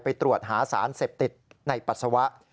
ไปตรวจหาสารเสพติดในปัสสาวะ